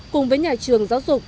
cùng với nhà trường giáo dục